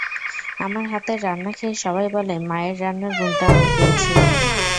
আমার হাতের রান্না খেয়ে সবাই বলে, মায়ের রান্নার গুণটা আমি পেয়েছি।